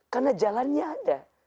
karena jalannya ada